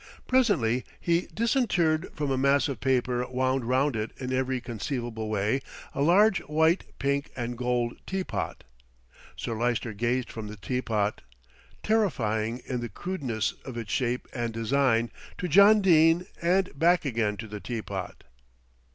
Presently he disinterred from a mass of paper wound round it in every conceivable way, a large white, pink and gold teapot. Sir Lyster gazed from the teapot, terrifying in the crudeness of its shape and design, to John Dene and back again to the teapot.